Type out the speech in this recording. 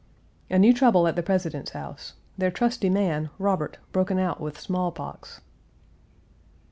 A new trouble at the President's house: their trusty man, Robert, broken out with the smallpox.